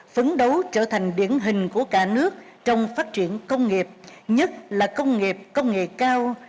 phấn đấu trở thành điển hình của cả nước trong phát triển công nghiệp nhất là công nghiệp công nghệ cao